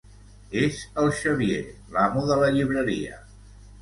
És el Xavier, l'amo de la llibreria.